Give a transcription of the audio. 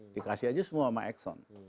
dikasih aja semua sama exxon